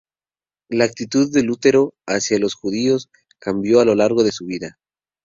La actitud de Lutero hacia los judíos cambió a lo largo de su vida.